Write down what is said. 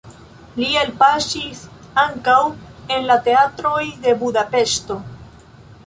Li elpaŝis ankaŭ en la teatroj de Budapeŝto.